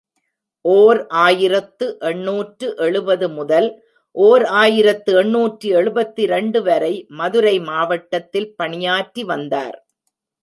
ஓர் ஆயிரத்து எண்ணூற்று எழுபது முதல் ஓர் ஆயிரத்து எண்ணூற்று எழுபத்திரண்டு வரை மதுரை மாவட்டத்தில் பணியாற்றி வந்தார்.